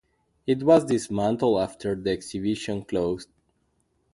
It was dismantled after the exhibition closed.